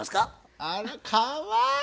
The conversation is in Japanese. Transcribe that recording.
あらかわいい！